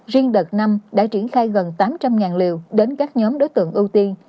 riêng đợt năm đã triển khai gần tám trăm linh liều đến các nhóm đối tượng ưu tiên